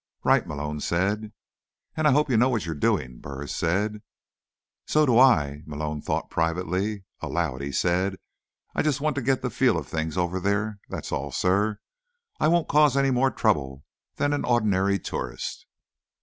"Right," Malone said. "And I hope you know what you're doing," Burris said. So do I, Malone thought privately. Aloud, he said, "I just want to get the feel of things over there, that's all, sir. I won't cause any more trouble than an ordinary tourist."